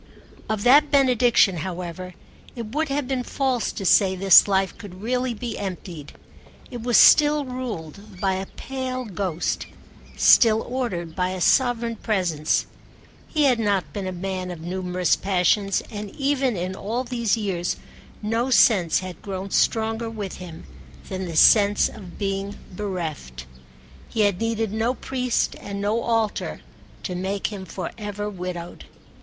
Of that benediction, however, it would have been false to say this life could really be emptied: it was still ruled by a pale ghost, still ordered by a sovereign presence. He had not been a man of numerous passions, and even in all these years no sense had grown stronger with him than the sense of being bereft. He had needed no priest and no altar to make him for ever widowed.